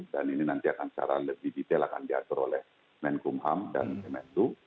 dan ini nanti akan secara lebih detail akan diatur oleh menkumham dan kmsu